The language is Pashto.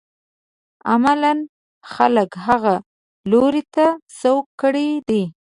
عملاً خلک هغه لوري ته سوق کړي دي.